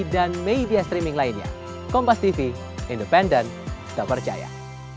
dan media streaming lainnya kompas tv independen dan percaya